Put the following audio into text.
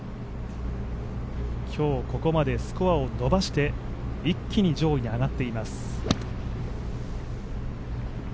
今日ここまでスコアを伸ばして一気に上位に上がっています。